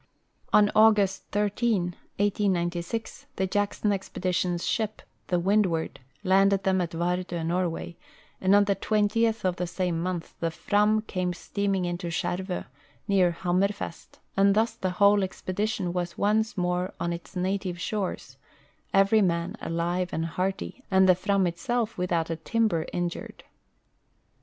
On August 13, 1896, the Jackson expedition's shi]3, the Wind loard, landed them at Vardo, Norway, and on the 20th of the same month the Fram came steaming into Skjervo, near Ham merfest, and thus the whole expedition was once more on its native shores, every man alive and hearty, and the Fram itself without a timber injured.